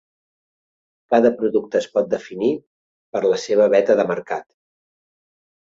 Cada producte es pot definir per la seva veta de mercat.